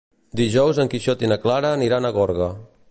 Dijous en Quixot i na Clara aniran a Gorga.